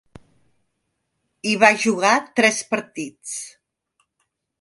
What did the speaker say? Hi va jugar tres partits.